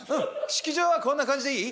式場はこんな感じでいい？